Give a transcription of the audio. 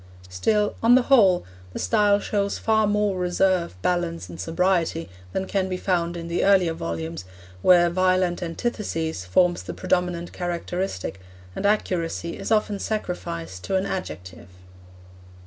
Still, on the whole, the style shows far more reserve, balance and sobriety, than can be found in the earlier volumes where violent antithesis forms the predominant characteristic, and accuracy is often sacrificed to an adjective.